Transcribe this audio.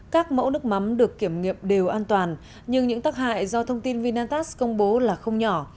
không được kiểm nghiệm đều an toàn nhưng những tắc hại do thông tin vinitas công bố là không nhỏ